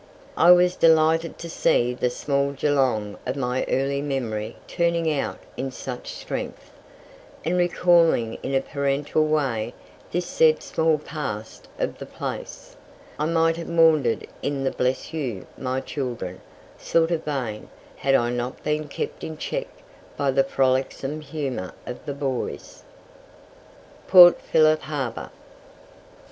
I was delighted to see the small Geelong of my early memory turning out in such strength; and recalling in a parental way this said small past of the place, I might have maundered in the "bless you, my children," sort of vein, had I not been kept in check by the frolicsome humour of the boys. PORT PHILLIP HARBOUR.